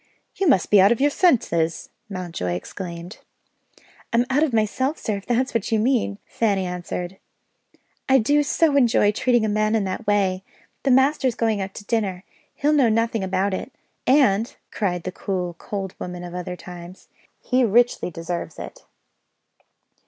"You must be out of your senses!" Mountjoy exclaimed. "I'm out of myself sir, if that's what you mean," Fanny answered. "I do so enjoy treating a man in that way! The master's going out to dinner he'll know nothing about it and," cried the cool cold woman of other times, "he richly deserves it."